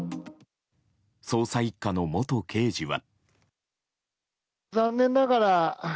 捜査１課の元刑事は。